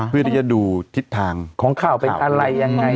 เพื่อที่จะดูทิศทางของข่าวเป็นอะไรยังไง